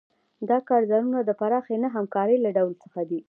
دا کارزارونه د پراخې نه همکارۍ له ډول څخه دي.